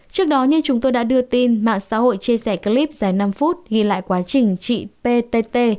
trước đó như chúng tôi đã đưa tin mạng xã hội chia sẻ clip dài năm phút ghi lại quá trình chị ptt